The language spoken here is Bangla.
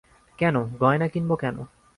কেন, গয়না কিনব কেন?